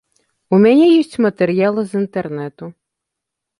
У мяне ёсць матэрыялы з інтэрнэту.